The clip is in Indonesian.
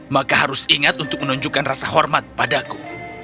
maka harus ingat untuk menunjukkan rasa hormat padaku